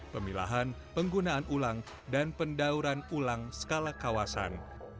pemilahan penggunaan ulang dan pendauran ulang skala kawasan